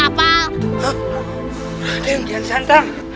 raden kian santang